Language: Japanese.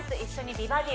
「美バディ」